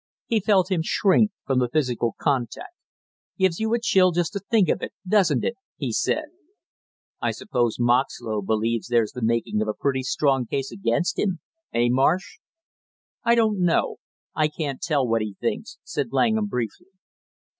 He felt him shrink from the physical contact. "Gives you a chill just to think of it, doesn't it?" he said. "I suppose Moxlow believes there's the making of a pretty strong case against him; eh, Marsh?" "I don't know; I can't tell what he thinks," said Langham briefly.